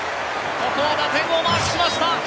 ここは打点をマークしました。